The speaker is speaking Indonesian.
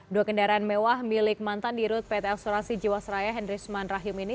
dua kendaraan mewah milik mantan di rut pt asuransi jiwasraya hendrisman rahim ini